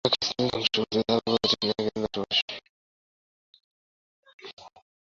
কিন্তু ধ্বংসাবশেষ বলতে যা বোঝায় ঠিক তা নয়।